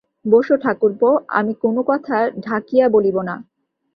বোসো ঠাকুরপো, আমি কোনো কথা ঢাকিয়া বলিব না।